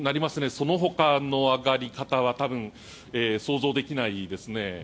そのほかの上がり方は多分、想像できないですね。